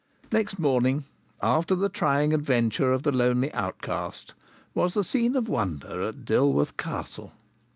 Next morning, after the trying adventure of the lonely outcast, was the scene of wonder at Dilworth Castle.